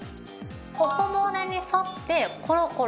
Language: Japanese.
頬骨に沿ってコロコロと。